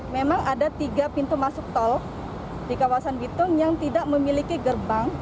memang ada tiga pintu masuk tol di kawasan bitung yang tidak memiliki gerbang